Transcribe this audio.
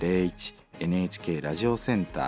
ＮＨＫラジオセンター